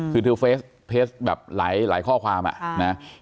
คือเธอเฟสแบบหลายข้อความอ่ะนะ